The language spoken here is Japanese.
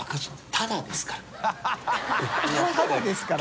「タダですから」